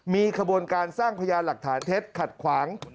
มีขบวนการสร้างพยานหลักฐานเท็จขัดขวาง